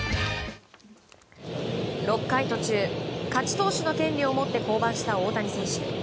６回途中勝ち投手の権利を持って降板した大谷選手。